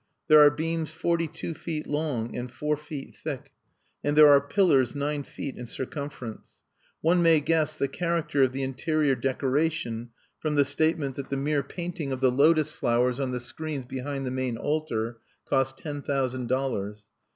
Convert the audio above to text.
There are beams forty two feet long and four feet thick; and there are pillars nine feet in circumference. One may guess the character of the interior decoration from the statement that the mere painting of the lotos flowers on the screens behind the main altar cost ten thousand dollars.